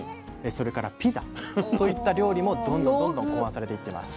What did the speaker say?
それからピザといった料理もどんどん考案されていってます。